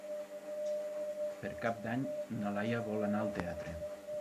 Per Cap d'Any na Laia vol anar al teatre.